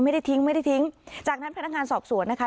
ไม่ได้ทิ้งไม่ได้ทิ้งจากนั้นพนักงานสอบสวนนะคะ